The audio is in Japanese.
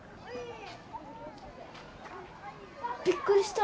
びっくりした。